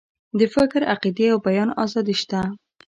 د فکر، عقیدې او بیان آزادي شته.